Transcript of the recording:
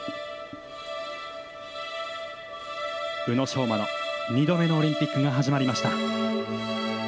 宇野昌磨の２度目のオリンピックが始まりました。